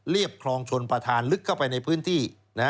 คลองชนประธานลึกเข้าไปในพื้นที่